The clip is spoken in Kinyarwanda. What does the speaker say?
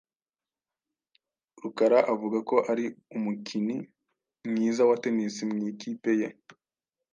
Rukara avuga ko ari umukini mwiza wa tennis mu ikipe ye.